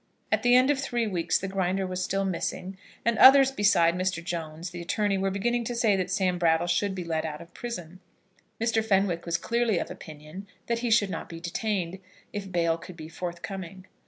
At the end of three weeks the Grinder was still missing; and others besides Mr. Jones, the attorney, were beginning to say that Sam Brattle should be let out of prison. Mr. Fenwick was clearly of opinion that he should not be detained, if bail could be forthcoming.